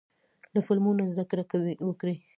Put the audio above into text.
له فلمونو زده کړه وکړئ.